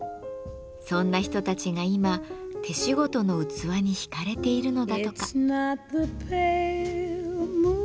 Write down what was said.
そんな人たちが今手仕事の器に引かれているのだとか。